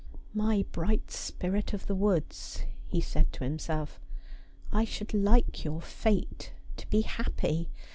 ' My bright spirit of the woods,' he said to himself, ' I should like your fate to be happy.